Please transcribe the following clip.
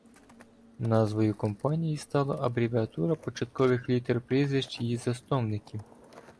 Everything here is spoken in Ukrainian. Назвою компанії стала абревіатура початкових літер прізвищ її засновників.